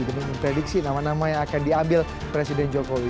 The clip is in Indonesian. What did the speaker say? untuk memprediksi nama nama yang akan diambil presiden jokowi